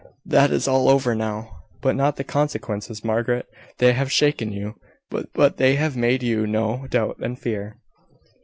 "That is all over now." "But not the consequences, Margaret. They have shaken you: they have made you know doubt and fear."